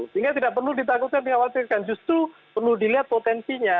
sehingga tidak perlu ditakutkan dikhawatirkan justru perlu dilihat potensinya